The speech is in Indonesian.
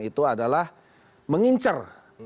itu adalah mengincar